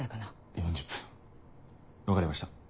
４０分分かりました。